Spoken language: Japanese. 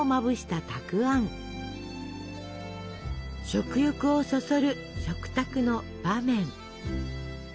食欲をそそる食卓の場面。